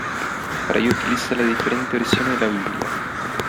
Para ello utiliza las diferentes versiones de la Biblia.